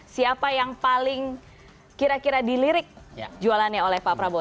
siapa yang paling kira kira dilirik jualannya oleh pak prabowo